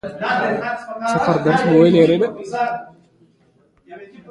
د باسل سیل کارسینوما هم د پوست سرطان دی.